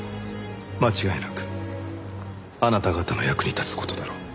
「間違いなくあなた方の役に立つ事だろう」。